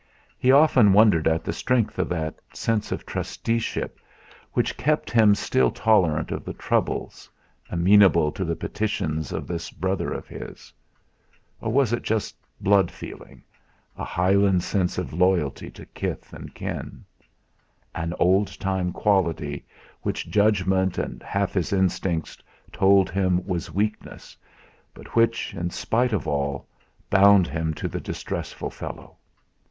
He often wondered at the strength of that sense of trusteeship, which kept him still tolerant of the troubles, amenable to the petitions of this brother of his; or was it just "blood" feeling, a Highland sense of loyalty to kith and kin; an old time quality which judgment and half his instincts told him was weakness but which, in spite of all, bound him to the distressful fellow?